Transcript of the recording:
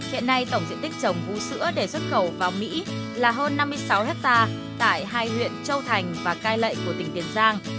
hiện nay tổng diện tích trồng vũ sữa để xuất khẩu vào mỹ là hơn năm mươi sáu hectare tại hai huyện châu thành và cai lệ của tỉnh tiền giang